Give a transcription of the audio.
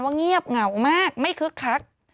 เงียบเหงามากไม่คึกคัก